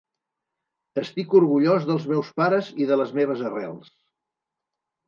Estic orgullós dels meus pares i de les meves arrels".